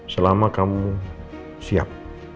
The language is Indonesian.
selama kamu siap